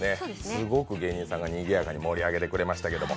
すごく芸人さんがにぎやかに盛り上げてくれましたけど。